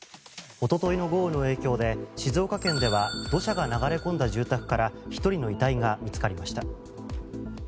一昨日の豪雨の影響で静岡県では土砂が流れ込んだ住宅から１人の遺体が見つかりました。